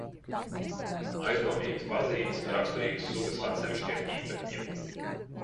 Aizdomīgas pazīmes raksturīgas sugas atsevišķiem īpatņiem.